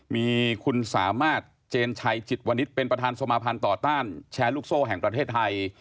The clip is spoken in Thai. มีคุณสามารถเจนชัยจิตวนิษฐ์เป็นประธานสมาภัณฑ์ต่อต้านแชร์ลูกโซ่แห่งประเทศไทย